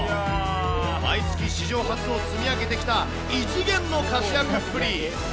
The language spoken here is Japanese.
毎月、史上初を積み上げてきた異次元の活躍っぷり。